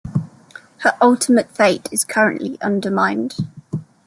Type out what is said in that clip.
Her ultimate fate is currently undetermined.